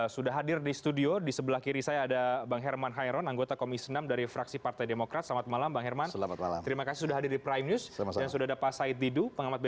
sudah tersangka saya ke pak said didu